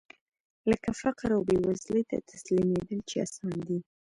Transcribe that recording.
لکه فقر او بېوزلۍ ته تسليمېدل چې اسانه دي.